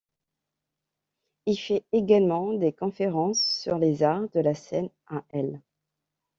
Il fait également des conférences sur les arts de la scène à l'.